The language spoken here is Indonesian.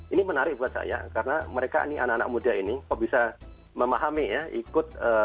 ini menarik buat saya karena mereka ini anak anak muda ini kok bisa memahami ya ikut